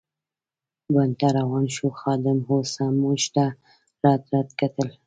بڼ ته روان شوو، خادم اوس هم موږ ته رډ رډ کتل.